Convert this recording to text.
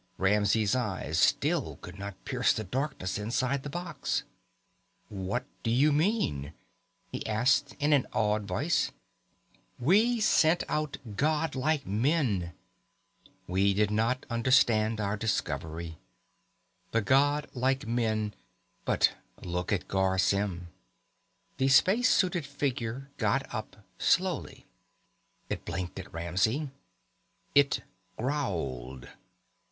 Ramsey's eyes still could not pierce the darkness inside the box. "What do you mean?" he asked in an awed voice. "We sent out god like men. We did not understand our discovery. The god like men but look at Garr Symm." The spacesuited figure got up slowly. It blinked at Ramsey. It growled.